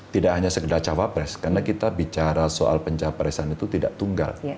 tidak hanya sekedar cawapres karena kita bicara soal pencapresan itu tidak tunggal